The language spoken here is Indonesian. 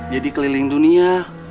jadi keliling dunia